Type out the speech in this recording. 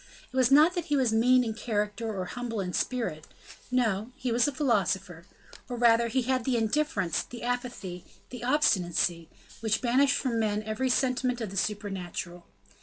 It was not that he was mean in character or humble in spirit; no, he was a philosopher, or rather he had the indifference, the apathy, the obstinacy which banish from man every sentiment of the supernatural.